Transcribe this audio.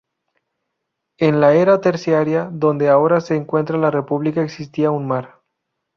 En la Era Terciaria donde ahora se encuentra la República existía un mar.